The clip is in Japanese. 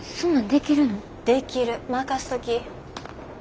できる任せとき。